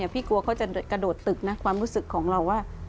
พี่กลัวเขาจะกระโดดตึกนะความรู้สึกของเราว่า